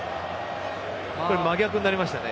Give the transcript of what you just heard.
真逆になりましたね